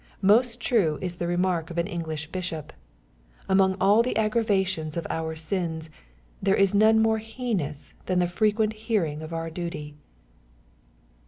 Most true is the remark of an English bishop, " Among all the aggravations of our sins, there is none more heinous than the frequent hear ing of our duty."